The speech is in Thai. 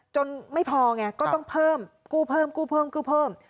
ไม่พอไงก็ต้องเพิ่มกู้เพิ่มกู้เพิ่มกู้เพิ่ม